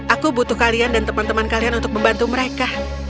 aku butuh kalian dan teman teman kalian untuk membantu mereka